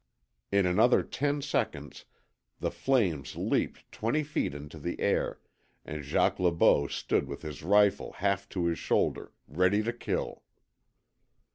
In another ten seconds the flames leapt twenty feet into the air, and Jacques Le Beau stood with his rifle half to his shoulder, ready to kill.